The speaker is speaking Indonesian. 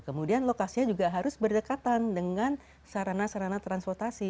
kemudian lokasinya juga harus berdekatan dengan sarana sarana transportasi